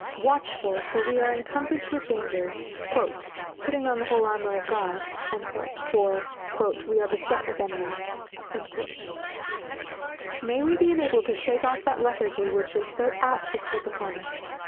Watchful, for we are encompassed with dangers; "putting on the whole armour of God," for "we are beset with enemies." May we be enabled to shake off that lethargy which is so apt to creep upon us!